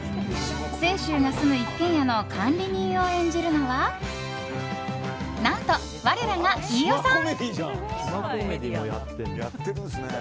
清舟が住む一軒家の管理人を演じるのは何と、我らが飯尾さん！